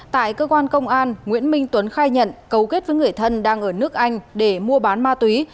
tại cơ quan công an nguyễn minh tuấn khai nhận cấu kết với người thân đang ở nước anh để mua bán ma túy